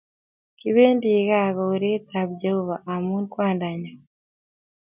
Kipendi ga koret ab Jehovah amu kwandonyon